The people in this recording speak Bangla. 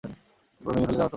এরপর ভেঙে ফেলে দেওয়া হতো।